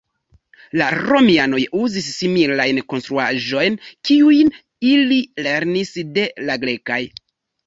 La Romianoj uzis similajn konstruaĵojn, kiujn ili lernis de la grekaj.